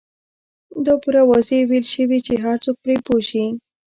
دا پوره واضح ويل شوي چې هر څوک پرې پوه شي.